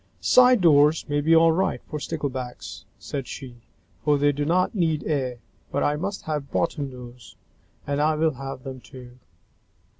"Side doors may be all right for Sticklebacks," said she, "for they do not need air, but I must have bottom doors, and I will have them too!"